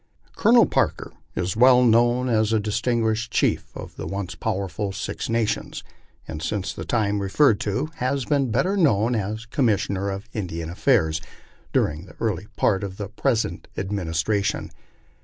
Colonel Parker is well known as a distinguished chief of the once powerful Six Nations, and since the time referred to has been better known as Commis sioner of Indian Affairs during the early part of the present administration.